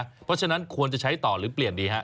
เพราะฉะนั้นควรจะใช้ต่อหรือเปลี่ยนดีฮะ